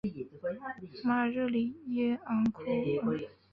马尔热里耶昂库尔。